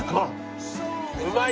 うまい。